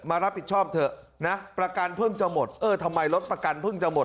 รับผิดชอบเถอะนะประกันเพิ่งจะหมดเออทำไมรถประกันเพิ่งจะหมด